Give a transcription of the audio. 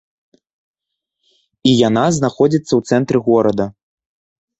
І яна знаходзіцца ў цэнтры горада.